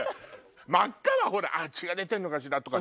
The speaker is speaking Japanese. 真っ赤な血が出てるのかしら？とか。